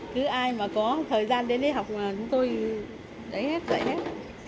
cứ ai mà có thời gian đến đi học là chúng tôi dạy hết dạy hết